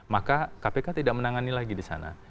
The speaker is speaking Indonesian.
maka kpk tidak menangani lagi di sana